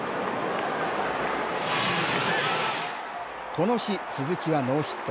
この日、鈴木はノーヒット。